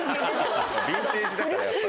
ビンテージだから。